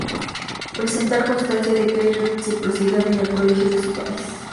Presentar constancia de que hay reciprocidad en el Colegio de su país.